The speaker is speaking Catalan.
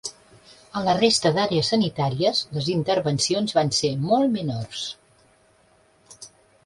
A la resta d’àrees sanitàries les intervencions van ser molt menors.